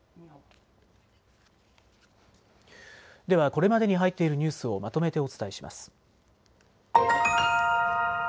では、これまでに入っているニュースをまとめてお伝えします。